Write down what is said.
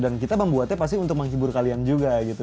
dan kita membuatnya pasti untuk menghibur kalian juga gitu